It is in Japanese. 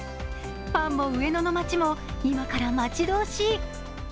ファンも上野の街も今から待ち遠しい。